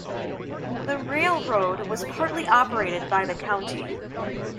The railroad was partly operated by the county.